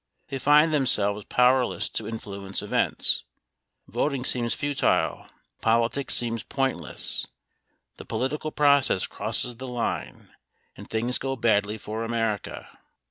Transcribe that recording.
They find themselves powerless to influence events. Voting seems futile ; politics seems point less. The political process crosses the line and things go badly for America.